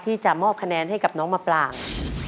ที่จะมอบคะแนนให้กับน้องมะปราง